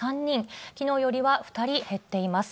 きのうよりは２人減っています。